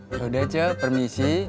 yaudah ce permisi